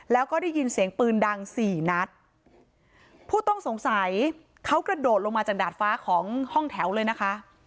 แล้วก็ได้ยินเสียงปืนดังสี่นัดผู้ต้องสงสัยเขากระโดดลงมาจากดาดฟ้าของห้องแถวเลยนะคะ